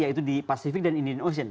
yaitu di pacific dan indine ocean